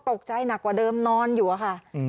ตกใจหนักกว่าเดิมนอนอยู่อะค่ะ